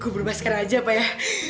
gue berubah sekarang aja apa ya